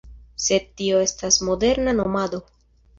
Sed tio estas moderna nomado.